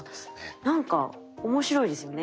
何か面白いですよね。